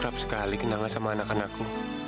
kerap sekali kenal sama anak anakku